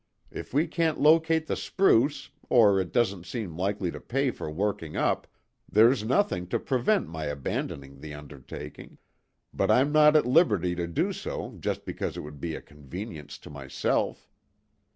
If we can't locate the spruce or it doesn't seem likely to pay for working up, there's nothing to prevent my abandoning the undertaking; but I'm not at liberty to do so just because it would be a convenience to myself.